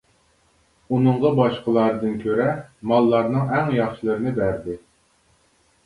ئۇنىڭغا باشقىلاردىن كۆرە ماللارنىڭ ئەڭ ياخشىلىرىنى بەردى.